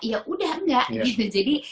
ya udah enggak jadi